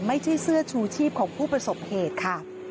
ไม่ใช่เสื้อชูชีพของผู้ประสบเหตุค่ะ